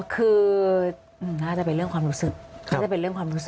อ๋อคือน่าจะเป็นเรื่องความรู้สึก